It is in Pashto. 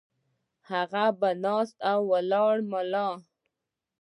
هغه پۀ ناسته ولاړه ملا